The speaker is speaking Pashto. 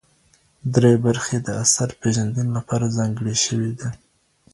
درې برخې د اثر پېژندنې لپاره ځانګړې شوې دي.